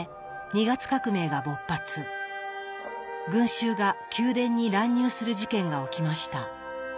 群衆が宮殿に乱入する事件が起きました。